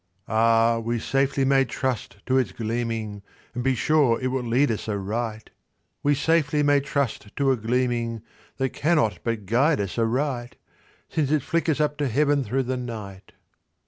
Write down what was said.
Ah, we safely may trust to its gleaming, And be sure it will lead us aright— We safely may trust to a gleaming That cannot but guide us aright, Since it flickers up to Heaven through the night."